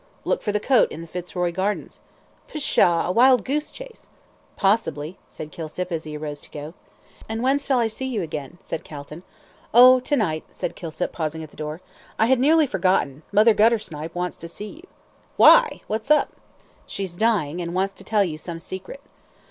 "Look for the coat in the Fitzroy Gardens." "Pshaw! a wild goose chase." "Possibly," said Kilsip, as he arose to go. "And when shall I see you again?" said Calton. "Oh, to night," said Kilsip, pausing at, the door. "I had nearly forgotten, Mother Guttersnipe wants to see you." "Why? What's up?" "She's dying, and wants to tell you some secret."